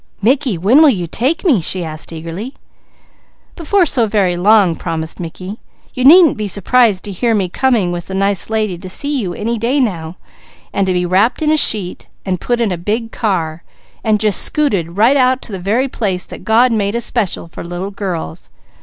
"Mickey, when will you take me?" she asked eagerly. "Before so very long," promised Mickey. "You needn't be surprised to hear me coming with the nice lady to see you any day now, and to be wrapped in a sheet, and put in a big car, and just scooted right out to the very place that God made especial for little girls.